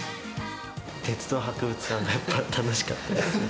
鉄道博物館がやっぱり楽しかったです。